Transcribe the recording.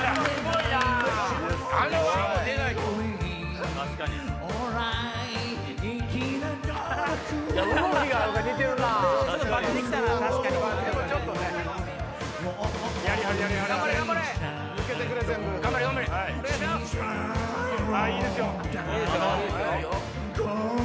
いいですよ。